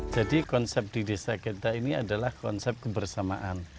jadi konsep di desa genta ini adalah konsep kebersamaan